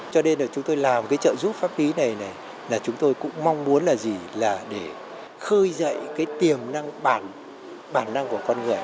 cho nên là chúng tôi làm cái trợ giúp pháp lý này này là chúng tôi cũng mong muốn là gì là để khơi dậy cái tiềm năng bản bản năng của con người